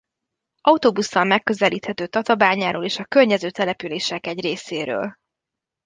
Autóbusszal megközelíthető Tatabányáról és a környező települések egy részéről.